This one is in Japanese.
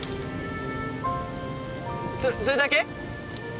それそれだけ？